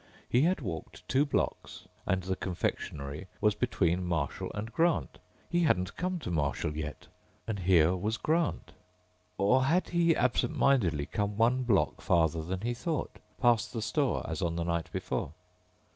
He had walked two blocks and the confectionery was between Marshall and Grant. He hadn't come to Marshall yet ... and here was Grant. Or had he, absent mindedly, come one block farther than he thought, passed the store as on the night before?